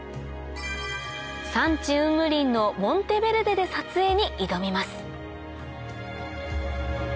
山地雲霧林のモンテベルデで撮影に挑みます